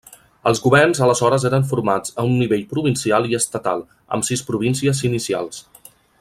Els governs aleshores eren formats a un nivell provincial i estatal, amb sis províncies inicials.